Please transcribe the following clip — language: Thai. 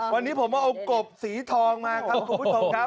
วันนี้ผมเอากบสีทองมาครับคุณผู้ชมครับ